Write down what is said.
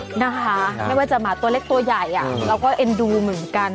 นะคะไม่ว่าจะหมาตัวเล็กตัวใหญ่เราก็เอ็นดูเหมือนกัน